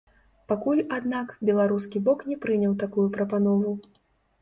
Пакуль, аднак, беларускі бок не прыняў такую прапанову.